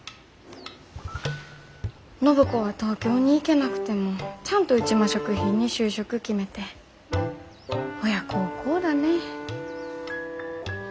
暢子は東京に行けなくてもちゃんと内間食品に就職決めて親孝行だねえ。